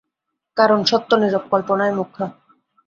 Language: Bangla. কারণ, সত্য নীরব, কল্পনাই মুখরা।